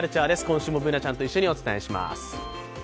今週もＢｏｏｎａちゃんと一緒にお伝えします。